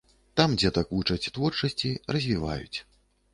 Там дзетак вучаць творчасці, развіваюць.